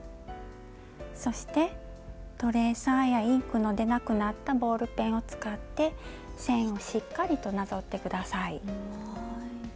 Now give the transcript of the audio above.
そしてトレーサーやインクの出なくなったボールペンを使って線をしっかりとなぞって下さい。